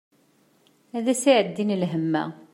Ad as-iɛeddin lhem-a!